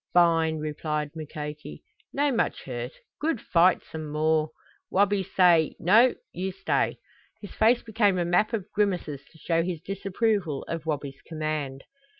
"Fine!" replied Mukoki. "No much hurt. Good fight some more. Wabi say, 'No, you stay.'" His face became a map of grimaces to show his disapproval of Wabi's command.